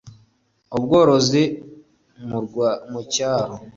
ubworozi mu cyaro